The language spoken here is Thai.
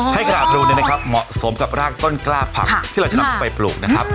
ให้กระดาษรูเนี่ยนะครับเหมาะสมกับรากต้นกล้าผักที่เราจะนำลงไปปลูกนะครับ